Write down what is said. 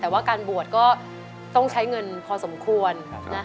แต่ว่าการบวชก็ต้องใช้เงินพอสมควร